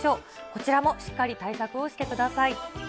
こちらもしっかり対策をしてください。